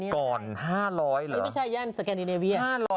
ก่อน๕๐๐เหรอ